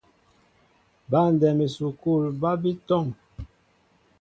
Băndɛm esukul ba bi tɔŋ.